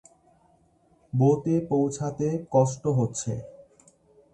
বো-তে পৌঁছাতে কষ্ট হচ্ছে।